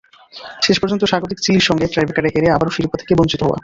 শেষ পর্যন্ত স্বাগতিক চিলির সঙ্গে টাইব্রেকারে হেরে আবারও শিরোপা থেকে বঞ্চিত হওয়া।